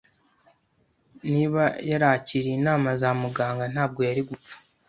Niba yarakiriye inama za muganga, ntabwo yari gupfa.